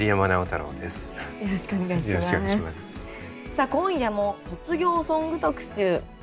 さあ今夜も卒業ソング特集。